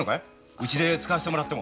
うちで使わせてもらっても。